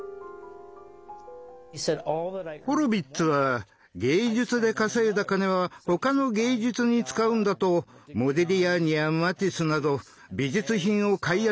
ホロヴィッツは芸術で稼いだ金はほかの芸術に使うんだとモディリアニやマティスなど美術品を買い集めました。